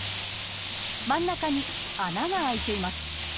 真ん中に穴が開いています。